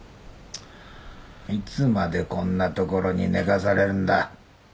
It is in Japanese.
いつまでこんな所に寝かされるんだ？